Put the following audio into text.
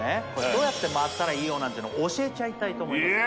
どうやって回ったらいいよなんてのを教えたいと思います